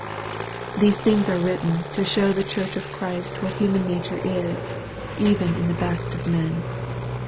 These things are written to show the Church of Christ what human nature is, even in the best of men.